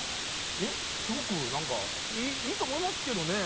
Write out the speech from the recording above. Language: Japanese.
えっすごく何かいいと思いますけどね。